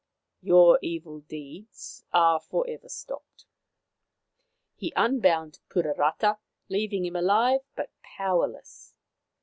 Your evil deeds are for ever stopped." He unbound Puarata, leaving him alive but powerless.